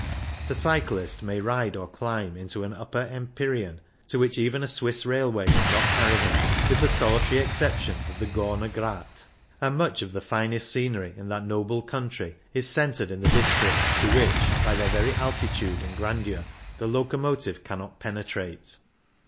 The cyclist may ride or climb into an upper empyrean to which even a Swiss railway will not carry him, with the solitary exception of the Corner Grat ; and much of the finest scenery in that noble country is centred in the districts to which, by their very altitude and grandeur, the locomotive cannot pene trate.